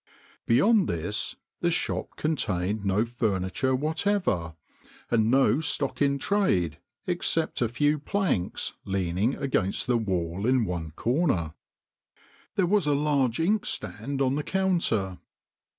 Beyond this the shop contained no furniture whatever, and no stock in trade except a few planks leaning against the wall in one corner. There was a large ink stand on the counter.